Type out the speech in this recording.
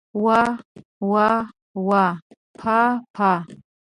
واه واه واه پاه پاه!